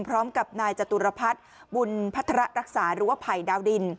พร้อมกับนายจตุรพัฒน์บุญพัฒระรักษาหรือว่าไผ่ดาวดิน